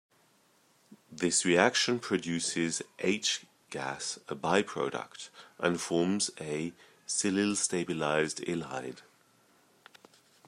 This reaction produces H gas a by product, and forms a silyl-stabilised ylide.